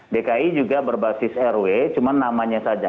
dki juga berbasis rw cuma namanya saja